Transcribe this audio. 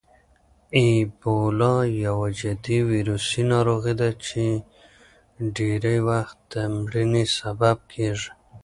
اېبولا یوه جدي ویروسي ناروغي ده چې ډېری وخت د مړینې سبب کېږي.